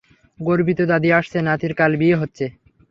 গর্বিত দাদি আসছে নাতির কাল বিয়ে হচ্ছে।